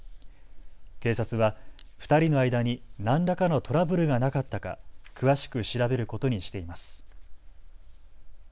警察は２人の間に何らかのトラブルがなかったか詳しく調べることにしています。